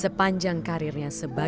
sepanjang karirnya sebagai guru kelas empat